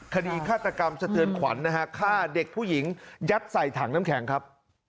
คดีฆาตกรรมสะเทือนขวัญนะฮะฆ่าเด็กผู้หญิงยัดใส่ถังน้ำแข็งครับ